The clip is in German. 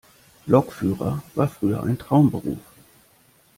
Lokführer war früher ein Traumberuf.